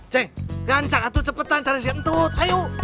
ceng gancang atu cepetan cari si entut ayo